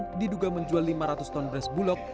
kepala gudang diduga menjual lima ratus ton beras bulog